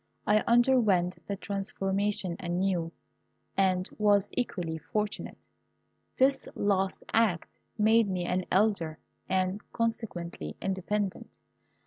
I underwent the transformation anew, and was equally fortunate. This last act made me an Elder, and, consequently, independent.